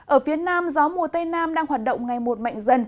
ở phía nam gió mùa tây nam đang hoạt động ngày một mạnh dần